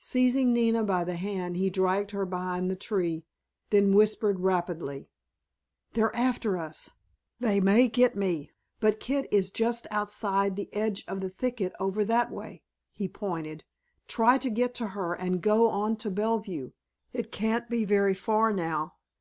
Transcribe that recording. Seizing Nina by the hand he dragged her behind the tree, then whispered rapidly: "They're after us! They may get me, but Kit is just outside the edge of the thicket over that way," he pointed; "try to get to her and go on to Bellevue. It can't be very far now.